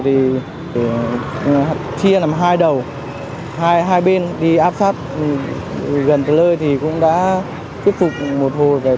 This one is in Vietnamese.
thì chia làm hai đầu hai bên đi áp sát gần tới lơi thì cũng đã thuyết phục một hồi